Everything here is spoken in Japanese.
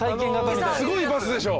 すごいバスでしょ。